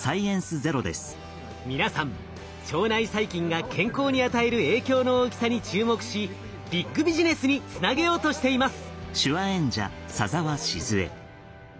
皆さん腸内細菌が健康に与える影響の大きさに注目しビッグビジネスにつなげようとしています。